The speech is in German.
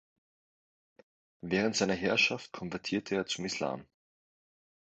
Während seiner Herrschaft konvertierte er zum Islam.